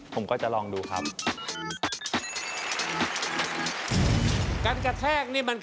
ผมก็จะลองดูครับ